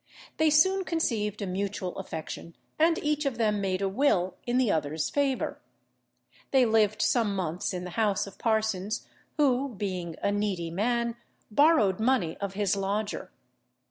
They soon conceived a mutual affection, and each of them made a will in the other's favour. They lived some months in the house of Parsons, who, being a needy man, borrowed money of his lodger.